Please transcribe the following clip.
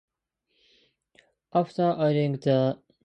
After aiding Thor on several occasions, Firelord returns to deep space.